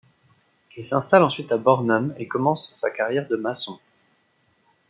Il s'installe ensuite à Bornum et commence sa carrière de maçon.